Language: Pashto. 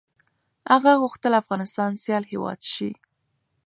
هغه غوښتل افغانستان سيال هېواد شي.